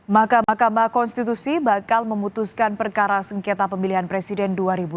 mahkamah konstitusi bakal memutuskan perkara sengketa pemilihan presiden dua ribu dua puluh